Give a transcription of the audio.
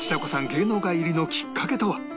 芸能界入りのきっかけとは？